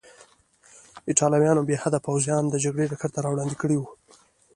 ایټالویانو بې حده پوځیان د جګړې ډګر ته راوړاندې کړي وو.